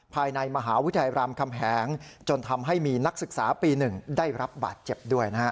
ภายในมหาวิทยาลัยรามคำแหงจนทำให้มีนักศึกษาปี๑ได้รับบาดเจ็บด้วยนะฮะ